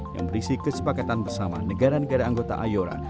yang berisi kesepakatan bersama negara negara anggota iora